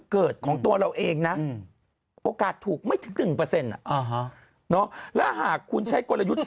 เกิดของตัวเราเองนะโอกาสถูกไม่ถึง๑และหากคุณใช้กลยุทธ์